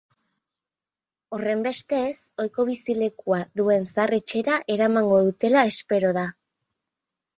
Horrenbestez, ohiko bizilekua duen zahar-etxera eramago dutela espero da.